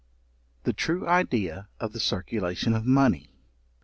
The true idea of the circulation of money.